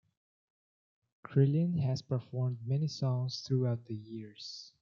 Krillin has performed many songs throughout the years.